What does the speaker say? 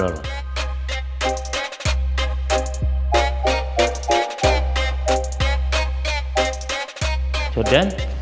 saya harap diantara kalian tidak ada yang ngobrol